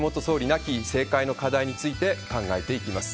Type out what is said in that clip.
なき政界の課題について、考えていきます。